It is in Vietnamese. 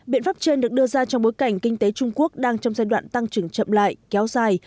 biện pháp trên được đưa ra trong bối cảnh kinh tế trung quốc đang trong giai đoạn tăng trưởng chậm lại kéo dài